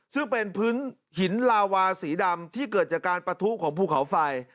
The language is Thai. ซึ่งเป็นพื้นหินลาวาสีดำที่เกิดจากการปะทุของภูเขาไฟ